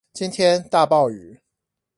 今天大暴雨